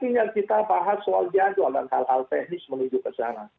tinggal kita bahas soal jadwal dan hal hal teknis menuju ke sana